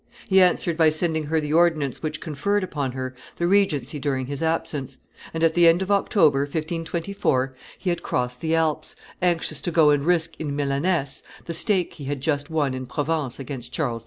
He answered by sending her the ordinance which conferred upon her the regency during his absence; and, at the end of October, 1524, he had crossed the Alps, anxious to go and risk in Milaness the stake he had just won in Provence against Charles V.